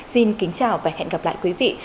xin kính chào và hẹn gặp lại quý vị